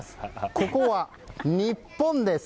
ここは日本です。